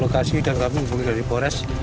lokasi dan kami hubungi dari polres